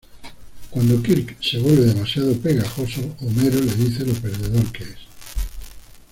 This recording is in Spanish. Cuando Kirk se vuelve demasiado pegajoso, Homero le dice lo perdedor que es.